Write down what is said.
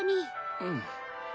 うん。